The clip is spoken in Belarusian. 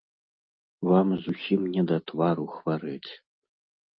Вам зусім не да твару хварэць.